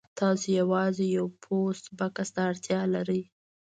تاسو یوازې یو پوسټ بکس ته اړتیا لرئ